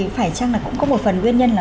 phải chăng là cũng có một phần nguyên nhân là